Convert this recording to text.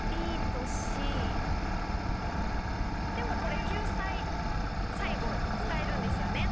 でもこれ救済最後使えるんですよね。